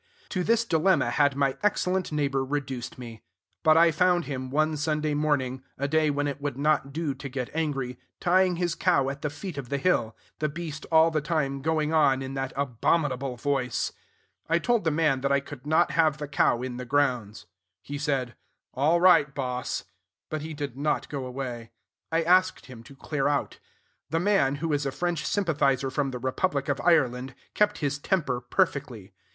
To this dilemma had my excellent neighbor reduced me. But I found him, one Sunday morning, a day when it would not do to get angry, tying his cow at the foot of the hill; the beast all the time going on in that abominable voice. I told the man that I could not have the cow in the grounds. He said, "All right, boss;" but he did not go away. I asked him to clear out. The man, who is a French sympathizer from the Republic of Ireland, kept his temper perfectly.